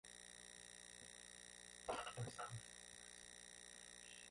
There were eight large portraits in the Mirror Hall of the palace.